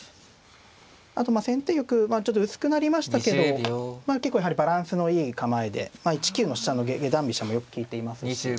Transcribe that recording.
あと先手玉ちょっと薄くなりましたけど結構やはりバランスのいい構えで１九の飛車の下段飛車もよく利いていますし。